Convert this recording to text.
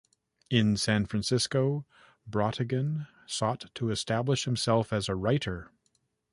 In San Francisco, Brautigan sought to establish himself as a writer.